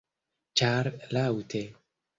Ĉar Laŭte!